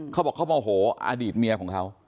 เขาบอกเขาโมโหอดีตเมียของเขา